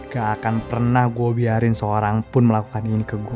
gak akan pernah gue biarin seorang pun melakukan ini ke gue